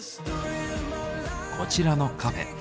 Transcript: こちらのカフェ。